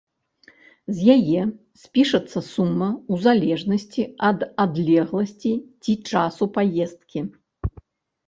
З яе спішацца сума у залежнасці ад адлегласці ці часу паездкі.